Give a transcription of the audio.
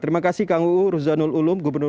terima kasih kang uu ruzanul ulum